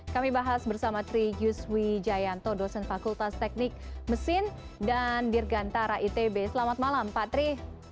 kami bahas bersama tri yuswi jayanto dosen fakultas teknik mesin dan dirgantara itb selamat malam patri